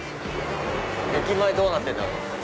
駅前どうなってんだろう？